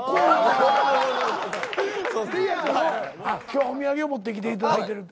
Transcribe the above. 今日お土産を持ってきていただいてる。